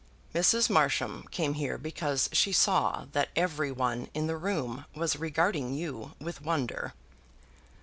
"Mrs. Marsham came here because she saw that every one in the room was regarding you with wonder."